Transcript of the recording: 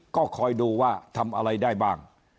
ก็คอยดูว่าทำอะไรได้บ้าง